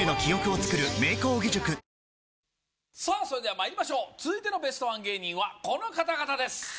それではまいりましょう続いてのベストワン芸人はこの方々です